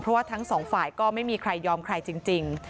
เพราะว่าทั้งสองฝ่ายก็ไม่มีใครยอมใครจริง